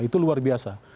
itu luar biasa